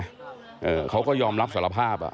ทีหายาก็ยอมรับสภาพ